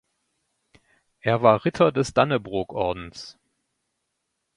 Er war Ritter des Dannebrogordens.